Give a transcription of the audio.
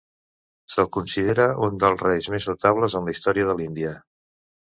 Se'l considera un dels reis més notables en la història de l'Índia.